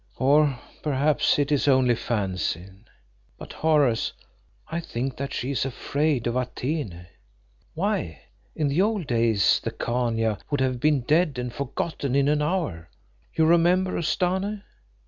Or perhaps it is only fancy. But, Horace, I think that she is afraid of Atene. Why, in the old days the Khania would have been dead and forgotten in an hour you remember Ustane?"